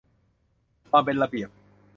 ความเป็นระเบียบ